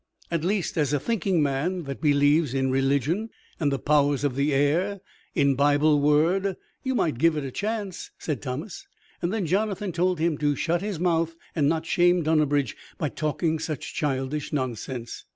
"At least, as a thinking man, that believes in religion and the powers of the air, in Bible word, you might give it a chance," said Thomas; and then Jonathan told him to shut his mouth, and not shame Dunnabridge by talking such childish nonsense.